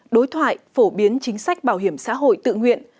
đối thoại phổ biến chính sách bảo hiểm xã hội tự nguyện